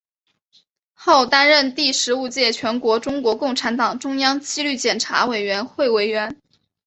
后担任第十五届全国中国共产党中央纪律检查委员会委员。